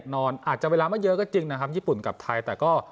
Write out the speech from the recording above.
ก็จริงนะครับญี่ปุ่นกลับไทยแต่ก็